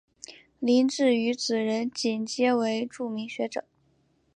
徐致愉子仁锦皆为著名学者。